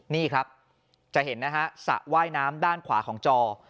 นี่ครับจะเห็นนะฮะสระว่ายน้ำด้านขวาของจอ